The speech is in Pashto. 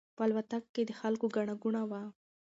په الوتکه کې د خلکو ګڼه ګوڼه وه.